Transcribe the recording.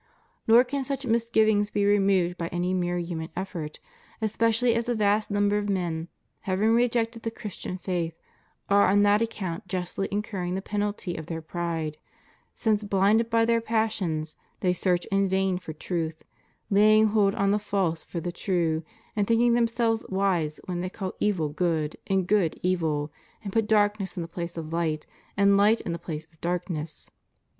Nor can such misgivings be removed by any mere human effort, especially as a vast number of men, having rejected the Christian faith, are on that account justly incurring the penalty of their pride, since bhnded by their passions they search in vain for truth, laying hold on the false for the true, and thinking themselves wise when they call evil good, and good evil, and put darkness in the place of light, and light in the place of darkness?